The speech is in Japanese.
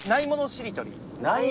しりとり。